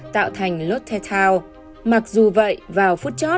tạo thành lotte town mặc dù vậy vào phút chót